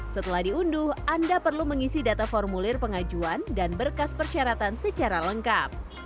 setelah diunduh anda perlu mengisi data formulir pengajuan dan berkas persyaratan secara lengkap